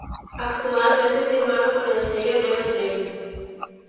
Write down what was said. Actualmente firmaron con el sello Level Plane.